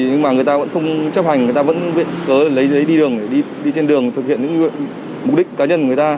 nhưng mà người ta vẫn không chấp hành người ta vẫn vẹn cớ lấy giấy đi đường để đi trên đường thực hiện những mục đích cá nhân của người ta